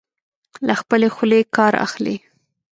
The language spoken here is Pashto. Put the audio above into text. له خپلې خولې کار اخلي.